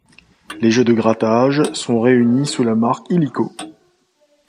Les jeux de grattage sont réunis sous la marque Illiko.